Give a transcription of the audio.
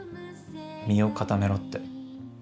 身を固めろって。